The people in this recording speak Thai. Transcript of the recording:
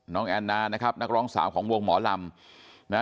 น้องแอนนานะครับนักรองสาวของวงหมอลำ